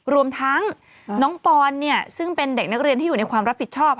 รวมทั้งน้องปอนซึ่งเป็นเด็กนักเรียนที่อยู่ในความรับผิดชอบ